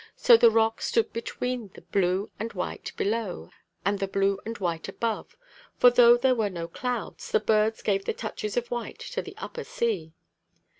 So the rock stood between the blue and white below and the blue and white above; for, though there were no clouds, the birds gave the touches of white to the upper sea."